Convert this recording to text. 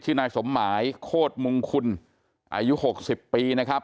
นายสมหมายโคตรมงคุณอายุ๖๐ปีนะครับ